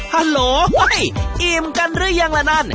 ฮัลโหลอิ่มกันหรือยังละนั่น